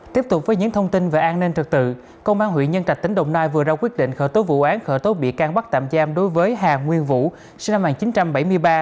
tiếp tục với những thông tin về an ninh trật tự công an huyện nhân trạch tỉnh đồng nai vừa ra quyết định khởi tố vụ án khởi tố bị can bắt tạm giam đối với hà nguyên vũ sinh năm một nghìn chín trăm bảy mươi ba